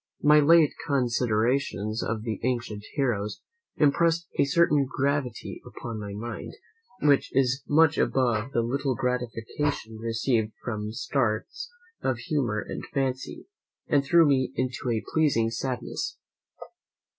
My late considerations of the ancient heroes impressed a certain gravity upon my mind, which is much above the little gratification received from starts of humour and fancy, and threw me into a pleasing sadness.